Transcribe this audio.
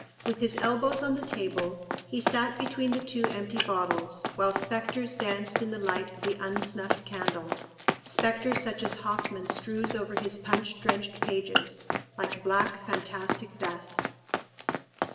With his elbows on the table he sat between the two empty bottles, while spectres danced in the light of the unsnuffed candle—spectres such as Hoffmann strews over his punch drenched pages, like black, fantastic dust.